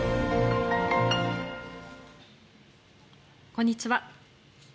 こんにちは。